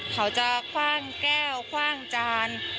เขาจะคว่างแก้วคว่างจาน